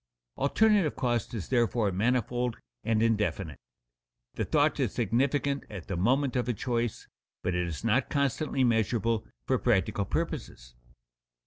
Alternative cost is therefore manifold and indefinite. The thought is significant at the moment of a choice, but it is not constantly measurable for practical purposes.